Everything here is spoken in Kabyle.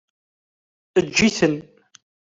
Eǧǧ-iten.